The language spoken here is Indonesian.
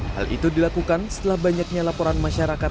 hal itu dilakukan setelah banyaknya laporan masyarakat